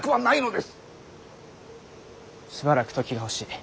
しばらく時が欲しい。